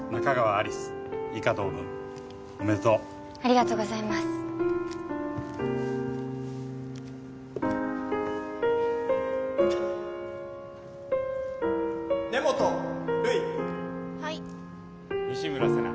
有栖以下同文おめでとうありがとうございます・根本留依はい西村世奈